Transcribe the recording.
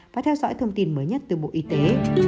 và theo dõi thông tin mới nhất từ bộ y tế để đảm bảo sự